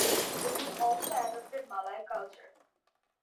They have also adopted Malay culture.